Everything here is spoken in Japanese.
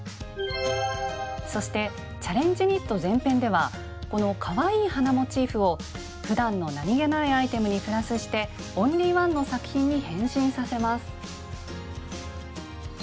そして「チャレンジニット」前編ではこのかわいい花モチーフをふだんの何気ないアイテムにプラスしてオンリーワンの作品に変身させます。